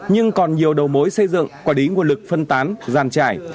nhưng còn nhiều đầu mối xây dựng quả đí nguồn lực phân tán gian trải